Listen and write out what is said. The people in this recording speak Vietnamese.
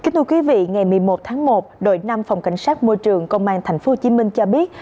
thưa quý vị ngày một mươi một tháng một đội năm phòng cảnh sát môi trường công an thành phố hồ chí minh cho biết